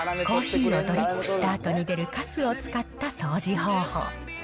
コーヒーをドリップしたあとに出るかすを使った掃除方法。